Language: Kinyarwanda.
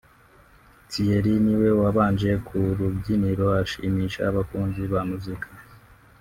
Thieerry niwe wabanje ku rubyiniro ashimisha abakunzi ba muzika